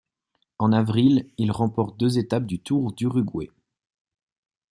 En avril, il remporte deux étapes du Tour d'Uruguay.